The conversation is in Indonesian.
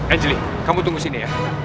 angeli kamu tunggu sini ya